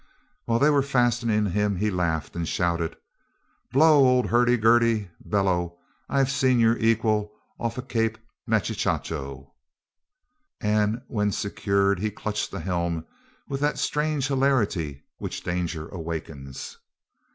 While they were fastening him he laughed, and shouted, "Blow, old hurdy gurdy, bellow. I've seen your equal off Cape Machichaco." And when secured he clutched the helm with that strange hilarity which danger awakens.